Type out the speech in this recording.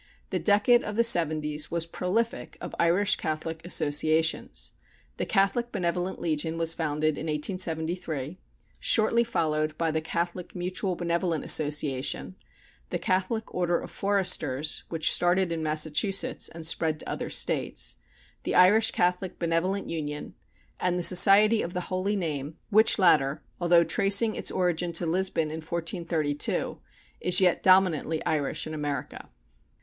The decade of the '70's was prolific of Irish Catholic associations. The Catholic Benevolent Legion was founded in 1873, shortly followed by the Catholic Mutual Benevolent Association, the Catholic Order of Foresters (which started in Massachusetts and spread to other States), the Irish Catholic Benevolent Union, and the Society of the Holy Name, which latter, although tracing its origin to Lisbon in 1432, is yet dominantly Irish in America.